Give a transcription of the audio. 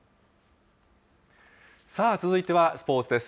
さあ、続いてはスポーツです。